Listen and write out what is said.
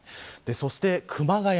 そして熊谷。